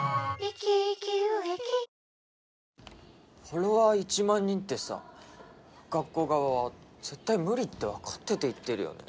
フォロワー１万人ってさ学校側は絶対無理ってわかってて言ってるよね